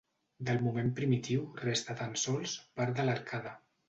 Del moment primitiu resta tan sols part de l'arcada.